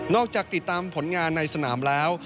จากติดตามผลงานในสนามแล้ว